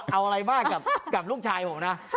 เอาอะไรบ้างกับลูกชายผมนะ